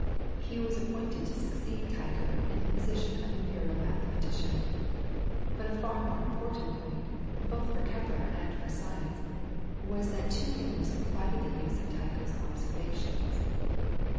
He was appointed to succeed Tycho in the position of imperial mathematician. But a far more important point, both for Kepler and for science, was that to him was confided the use of Tycho's observations.